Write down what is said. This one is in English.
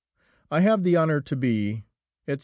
"I have the honour to be, etc."